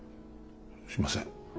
すいません。